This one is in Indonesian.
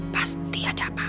pasti ada apa apa